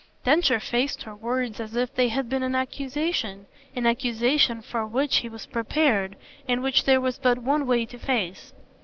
Densher faced her words as if they had been an accusation, an accusation for which he was prepared and which there was but one way to face.